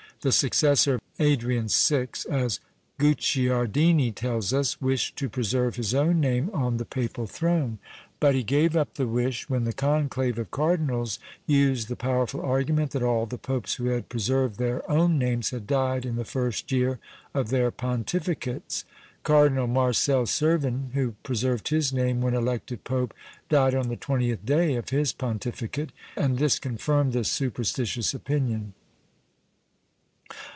The successor of Adrian VI. (as Guicciardini tells us) wished to preserve his own name on the papal throne; but he gave up the wish when the conclave of cardinals used the powerful argument that all the popes who had preserved their own names had died in the first year of their pontificates. Cardinal Marcel Cervin, who preserved his name when elected pope, died on the twentieth day of his pontificate, and this confirmed this superstitious opinion.